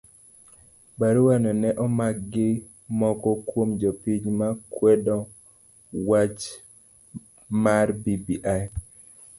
Burano ne omak gi moko kuom jopiny ma kwedo wach mar bbi.